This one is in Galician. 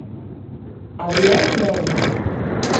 Adrián Ben.